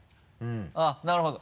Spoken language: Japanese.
あっなるほど。